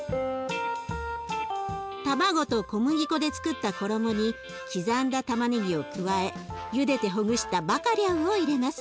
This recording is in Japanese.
卵と小麦粉でつくった衣に刻んだたまねぎを加えゆでてほぐしたバカリャウを入れます。